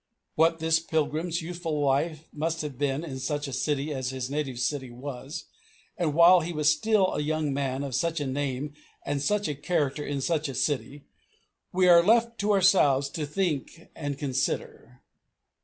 What this pilgrim's youthful life must have been in such a city as his native city was, and while he was still a young man of such a name and such a character in such a city, we are left to ourselves to think and consider.